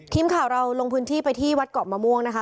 ทีมข่าวเราลงพื้นที่ไปที่วัดเกาะมะม่วงนะคะ